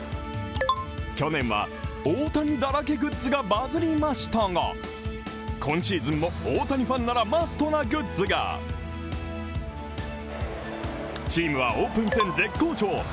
去年は大谷だらけグッズがバズりましたが今シーズンも大谷ファンならマストなグッズがチームは、オープン戦絶好調。